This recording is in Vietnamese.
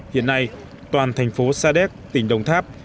hiện nay toàn thành phố sa đéc tỉnh đồng tháp